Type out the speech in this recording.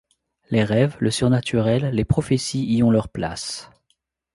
Les rêves, le surnaturel, les prophéties y ont leur place.